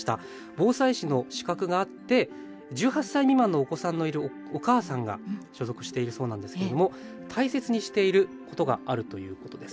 防災士の資格があって１８歳未満のお子さんのいるお母さんが所属しているそうなんですけども大切にしていることがあるということです。